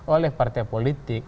oleh partai politik